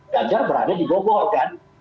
gajar berada di gobor kan